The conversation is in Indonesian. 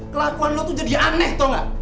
kelakuan lo tuh jadi aneh tau gak